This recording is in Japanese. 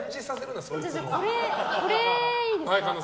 これいいですか？